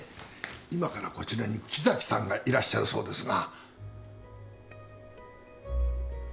今からこちらに木崎さんがいらっしゃるそうですが。